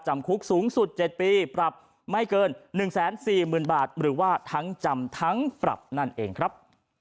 คุกสูงสุด๗ปีปรับไม่เกิน๑๔๐๐๐บาทหรือว่าทั้งจำทั้งปรับนั่นเองครับ